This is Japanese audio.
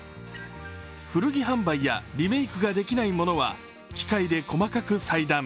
古着販売やリメイクができないものは機械で細かく裁断。